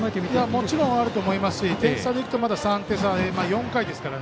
もちろんあると思いますし点差でいうとまだ３点差４回ですし。